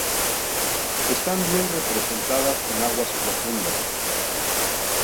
Están bien representadas en aguas profundas.